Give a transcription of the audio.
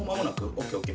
ＯＫＯＫ。